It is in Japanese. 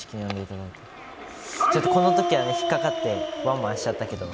このときはひっかかってワンバンしちゃったんですけど。